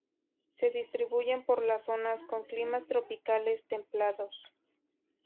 Se distribuyen por las zonas con climas tropicales-templados.